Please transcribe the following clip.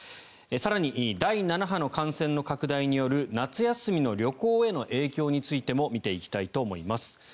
更に、第７波の感染の拡大による夏休みの旅行への影響についても見ていきたいと思います。